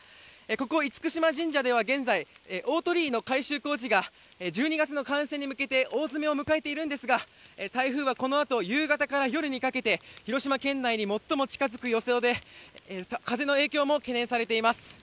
ここ、厳島神社では現在、大鳥居の改修工事が１２月の完成に向けて大詰めを迎えているんですが、台風はこのあと夕方から夜にかけて、広島県内に最も近づく予想で、風の影響も懸念されています。